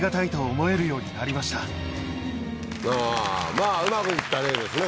まぁうまく行った例ですね